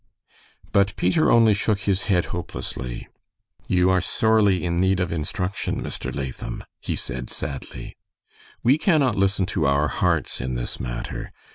But Peter only shook his head hopelessly. "You are sorely in need of instruction, Mr. Latham," he said, sadly. "We cannot listen to our hearts in this matter.